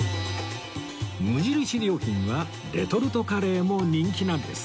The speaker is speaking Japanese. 無印良品はレトルトカレーも人気なんです